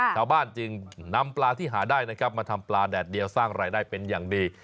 ชาวบ้านจึงนำปลาที่หาได้นะครับมาทำปลาแดดเดียวสร้างรายได้เป็นอย่างดี